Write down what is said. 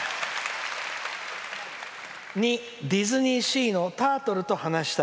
「２、ディズニーシーのタートルと話したい」。